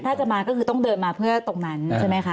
ถ้าจะมาก็คือต้องเดินมาเพื่อตรงนั้นใช่ไหมคะ